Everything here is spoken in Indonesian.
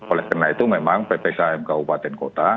oleh karena itu memang ppkm kabupaten kota